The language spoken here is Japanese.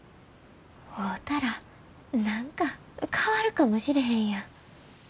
会うたら何か変わるかもしれへんやん。